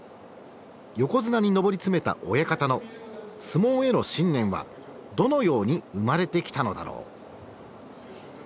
横綱に上り詰めた親方の相撲への信念はどのように生まれてきたのだろう？